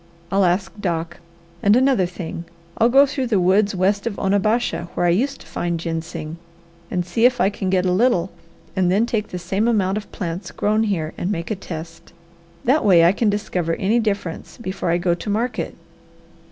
I'll ask Doc. And another thing I'll go through the woods west of Onabasha where I used to find ginseng, and see if I can get a little and then take the same amount of plants grown here, and make a test. That way I can discover any difference before I go to market.